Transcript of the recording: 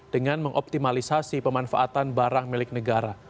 dengan mengoptimalisasi pemanfaatan barang milik negara